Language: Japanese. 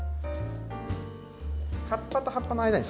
葉っぱと葉っぱの間に。